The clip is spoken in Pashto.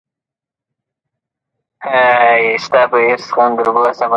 د وچې ډوډۍ ډولونه دومره ډېر دي چې غوره کول یې سخت وي.